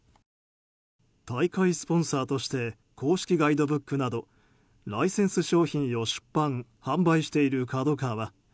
大会スポンサーとして公式ガイドブックなどライセンス商品を出版・販売しているＫＡＤＯＫＡＷＡ。